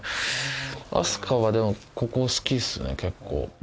明日香はでもここ好きですね結構。